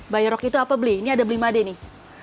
bioroke itu apa beli ini ada beli made nih